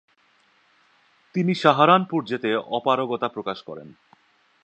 তিনি সাহারানপুর যেতে অপারগতা প্রকাশ করেন।